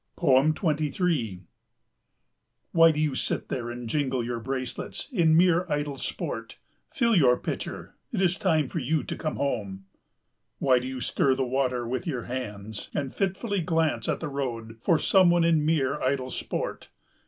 23 Why do you sit there and jingle your bracelets in mere idle sport? Fill your pitcher. It is time for you to come home. Why do you stir the water with your hands and fitfully glance at the road for some one in mere idle sport?